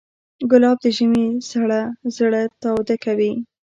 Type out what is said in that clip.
ګلاب د ژمي سړه زړه تاوده کوي.